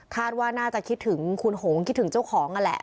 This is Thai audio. ว่าน่าจะคิดถึงคุณหงคิดถึงเจ้าของนั่นแหละ